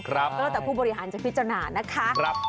ก็แล้วแต่ผู้บริหารจะพิจารณานะคะ